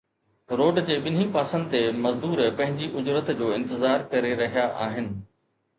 road جي ٻنهي پاسن تي مزدور پنهنجي اجرت جو انتظار ڪري رهيا آهن